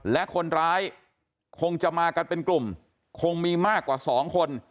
และคนร้ายคงจะมากันเป็นกลุ่มคงมีมากกว่า๒คน